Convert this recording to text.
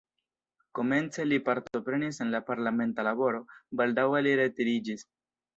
Komence li partoprenis en la parlamenta laboro, baldaŭe li retiriĝis.